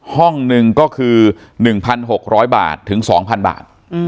ห้องหนึ่งก็คือ๑๖๐๐บาทถึง๒๐๐บาท